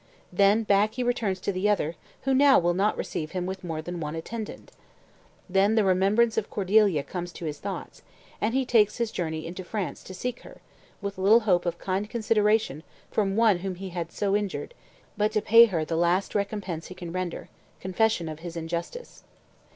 Then back he returns to the other, who now will not receive him with more than one attendant. Then the remembrance of Cordeilla comes to his thoughts, and he takes his journey into France to seek her, with little hope of kind consideration from one whom he had so injured, but to pay her the last recompense he can render, confession of his injustice.